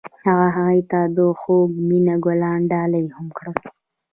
هغه هغې ته د خوږ مینه ګلان ډالۍ هم کړل.